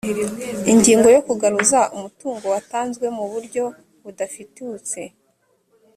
ingingo yo kugaruza umutungo watanzwemuburyo budafitutse